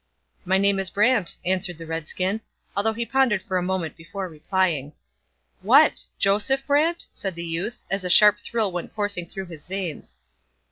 'My name is Brant,' answered the redskin, although he pondered for a moment before replying. 'What! Joseph Brant?' said the youth, as a sharp thrill went coursing through his veins.